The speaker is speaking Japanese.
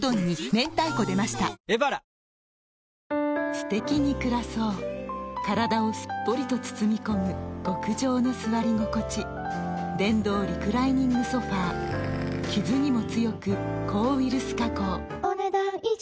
すてきに暮らそう体をすっぽりと包み込む極上の座り心地電動リクライニングソファ傷にも強く抗ウイルス加工お、ねだん以上。